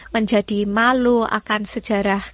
menjadi malu akan sejarah